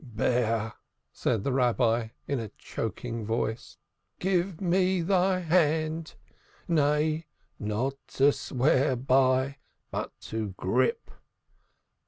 "Bear," said the Rabbi in a choking voice, "give me thy hand. Nay, not to swear by, but to grip.